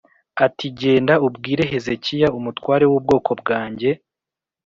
ati genda ubwire Hezekiya umutwarev w ubwoko bwanjye